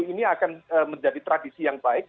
ini akan menjadi tradisi yang baik